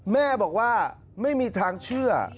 แม่บอกว่าไม่มีทางเชื่อ